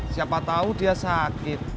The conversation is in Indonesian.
siapa tau dia sakit